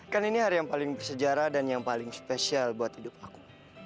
kan ini hari yang paling bersejarah dan yang paling spesial buat hidup aku